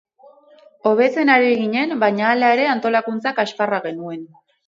Hobetzen ari ginen baina hala ere antolakuntza kaxkarra genuen.